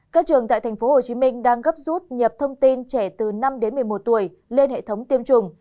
các trường tại tp hcm đang gấp rút nhập thông tin trẻ từ năm đến một mươi một tuổi lên hệ thống tiêm chủng